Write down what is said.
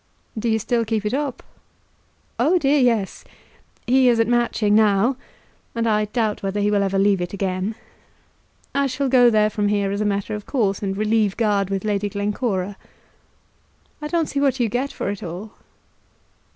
"Do you still keep it up?" "Oh, dear, yes. He is at Matching now, and I doubt whether he will ever leave it again. I shall go there from here as a matter of course, and relieve guard with Lady Glencora." "I don't see what you get for it all."